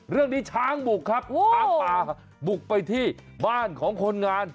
เรื่องนี้ช้างปลูกครับปลูกไปที่บ้านของคนงาน